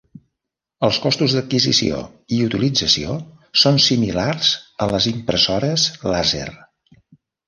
Els costos d'adquisició i utilització són similars a les impressores làser.